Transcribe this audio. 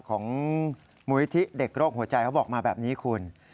ของมูลนิธิเด็กโรคหัวใจเขาบอกมาแบบนี้คุณ